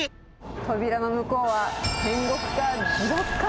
扉の向こうは天国か地獄か。